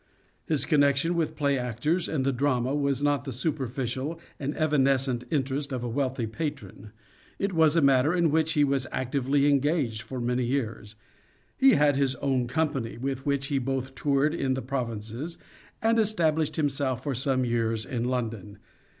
His connection with play actors and the drama was Personal not the superficial and evanescent interest of a wealthy circum .. stances* patron. It was a matter in which he was actively engaged for many years. He had his own company, with which he both toured in the provinces, and es tablished himself for some years in London.